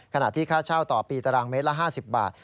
ค่าที่ค่าเช่าต่อปีตารางเมตรละ๕๐บาท